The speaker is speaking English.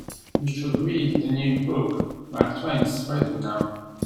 You should read the new book Mark Twain's writing now.